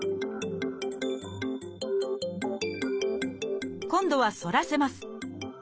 まず今度は反らせます。